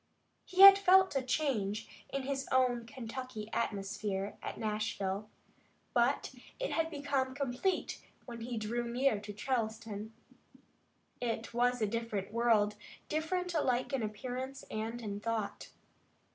He had felt a change in his own Kentucky atmosphere at Nashville, but it had become complete when he drew near to Charleston. It was a different world, different alike in appearance and in thought.